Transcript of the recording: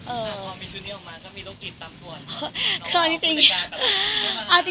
แต่พอมีชุดนี้ออกมาก็มีโรคจิตตามด่วน